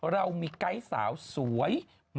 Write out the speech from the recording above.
เรามีไกด์สาวสวย